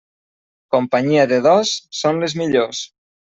Companyia de dos, són les millors.